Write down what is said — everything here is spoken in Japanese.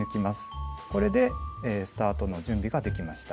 これでスタートの準備ができました。